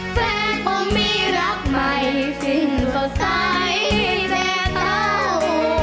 แต่ผมมีรักใหม่สิ่งติดใสแต่เศร้า